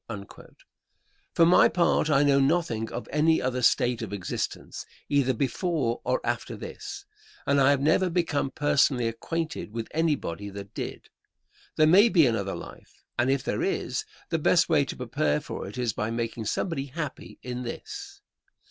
For my part, I know nothing of any other state of existence, either before or after this, and I have never become personally acquainted with anybody that did. There may be another life, and if there is, the best way to prepare for it is by making somebody happy in this.